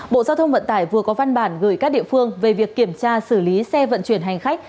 bộ giao thông vận tải vừa có văn bản gửi các địa phương về việc kiểm tra xử lý xe vận chuyển hành khách